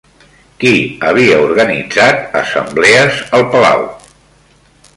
Qui havia organitzat assemblees al Palau?